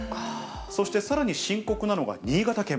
そしてさらに深刻なのが新潟県。